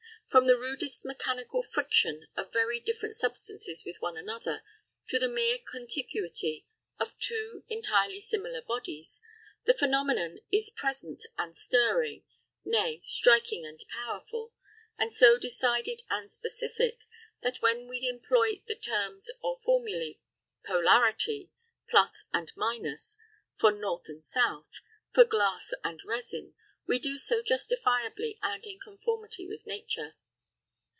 From the rudest mechanical friction of very different substances with one another, to the mere contiguity of two entirely similar bodies, the phenomenon is present and stirring, nay, striking and powerful, and so decided and specific, that when we employ the terms or formulæ polarity, plus and minus, for north and south, for glass and resin, we do so justifiably and in conformity with nature.